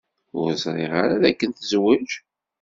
Ur ẓriɣ ara dakken tezwej.